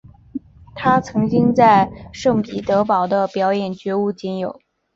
她曾经在圣彼得堡的表演绝无仅有。